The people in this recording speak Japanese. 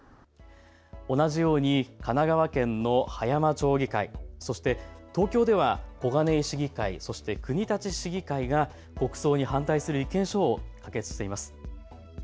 同じように神奈川県の葉山町議会、そして東京では小金井市議会、そして国立市議会が国葬に反対する意見書を可決しています。